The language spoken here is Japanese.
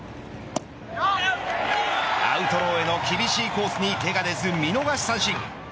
アウトローへの厳しいコースに手が出ず見逃し三振。